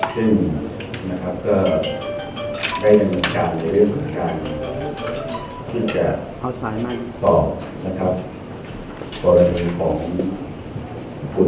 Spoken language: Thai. ซึ่งนะครับก็ได้จัดเรียนธรรมการที่จะสอบนะครับกรณีของคุณครับ